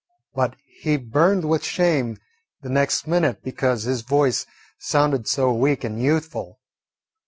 But he burned with shame the next minute because his voice sounded so weak and youthful.